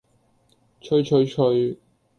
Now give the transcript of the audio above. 催催催